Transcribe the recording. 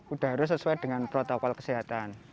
udah harus sesuai dengan protokol kesehatan